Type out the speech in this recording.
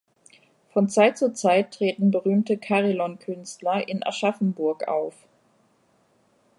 Von Zeit zu Zeit treten berühmte Carillon-Künstler in Aschaffenburg auf.